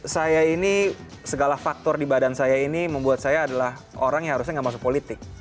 saya ini segala faktor di badan saya ini membuat saya adalah orang yang harusnya nggak masuk politik